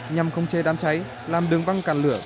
nhằm khống chế đám cháy làm đường băng càn lửa